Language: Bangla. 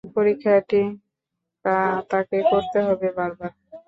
পরীক্ষাটি তাকে করতে হবে বারবার।